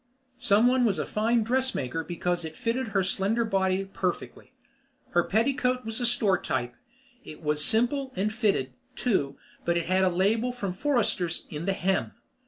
Someone was a fine dress maker because it fitted her slender body perfectly. Her petticoat was store type. It was simple and fitted, too, but it had a label from Forresters in the hem.